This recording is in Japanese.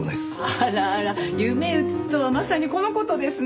あらあら夢うつつとはまさにこの事ですね。